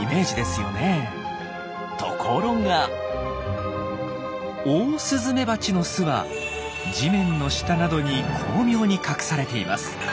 ところがオオスズメバチの巣は地面の下などに巧妙に隠されています。